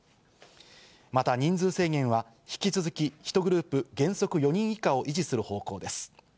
また人数制限は引き続き、１グループ原則４人以下を維持する方向です。